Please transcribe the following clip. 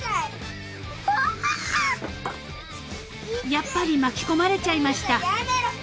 ［やっぱり巻き込まれちゃいました］